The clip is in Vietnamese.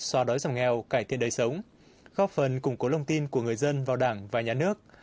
so đói giảm nghèo cải thiện đời sống góp phần củng cố lòng tin của người dân vào đảng và nhà nước